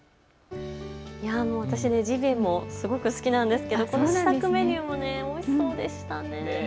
私、ジビエもすごく好きなんですけど試作メニューもおいしそうでした。